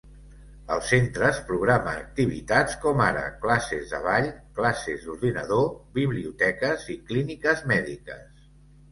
Els centres programen activitats com ara classes de ball, classes d'ordinador, biblioteques, i clíniques mèdiques.